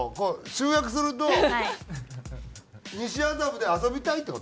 集約すると西麻布で遊びたいって事？